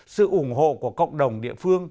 sự ủng hộ của cộng đồng địa phương